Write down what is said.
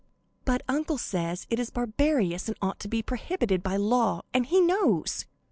"But uncle says it is barbarous and ought to be prohibited by law, and he knows."